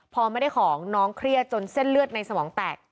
พอไม่ได้ของน้องเครียดจนเส้นเลือดในสมองแตก